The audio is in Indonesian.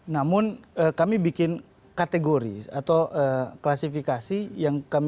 namun kami bikin kategori atau klasifikasi yang kami